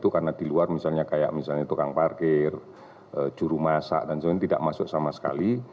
karena di luar misalnya kayak misalnya tukang parkir juru masak dan sebagainya tidak masuk sama sekali